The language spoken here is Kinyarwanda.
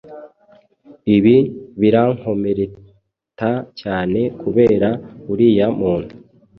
Ibi birankomereta cyane kubera uriya Muntu,